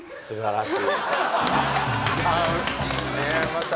すばらしい！